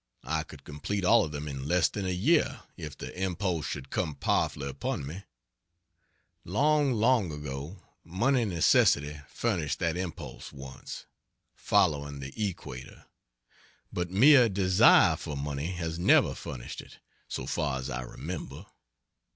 I could complete all of them in less than a year, if the impulse should come powerfully upon me: Long, long ago money necessity furnished that impulse once, ("Following the Equator"), but mere desire for money has never furnished it, so far as I remember.